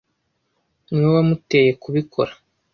Niwe wamuteye kubikora.